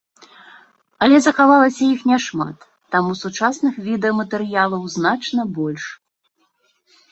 Але захавалася іх няшмат, таму сучасных відэаматэрыялаў значна больш.